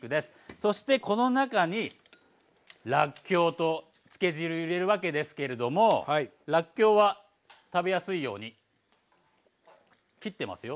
そしてこの中にらっきょうと漬け汁入れるわけですけれどもらっきょうは食べやすいように切ってますよ。